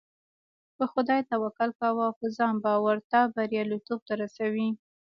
په خدای توکل کوه او په ځان باور تا برياليتوب ته رسوي .